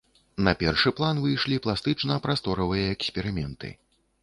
На першы план выйшлі пластычна-прасторавыя эксперыменты.